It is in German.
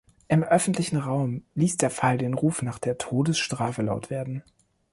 Im öffentlichen Raum ließ der Fall den Ruf nach der Todesstrafe laut werden.